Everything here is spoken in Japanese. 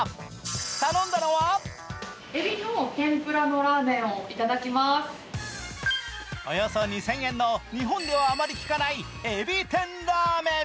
頼んだのはおよそ２０００円の、日本ではあまり聞かないエビ天ラーメン。